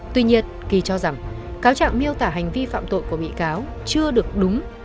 tuy nhiên kỳ cho rằng cáo trạng miêu tả hành vi phạm tội của bị cáo chưa được đúng